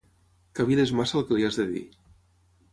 Cavil·les massa el que li has de dir.